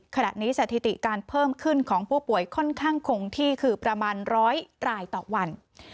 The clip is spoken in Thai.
ขณะนี้สถิติการเพิ่มขึ้นของผู้ป่วยค่อนข้างคงที่คือประมาณร้อยรายต่อวัน